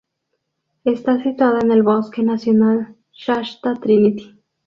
Está situado en el bosque nacional Shasta-Trinity.